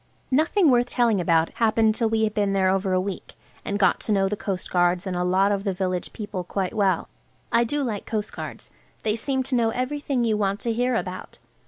Nothing worth telling about happened till we had been there over a week, and had got to know the coastguards and a lot of the village people quite well. I do like coastguards. They seem to know everything you want to hear about.